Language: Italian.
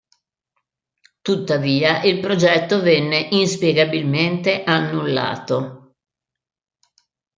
Tuttavia il progetto venne inspiegabilmente annullato.